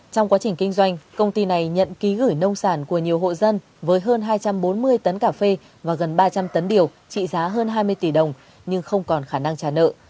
trong quá trình kinh doanh công ty này nhận ký gửi nông sản của nhiều hộ dân với hơn hai trăm bốn mươi tấn cà phê và gần ba trăm linh tấn điều trị giá hơn hai mươi tỷ đồng nhưng không còn khả năng trả nợ